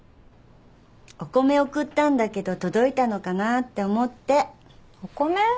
お米送ったんだけど届いたのかなって思ってお米？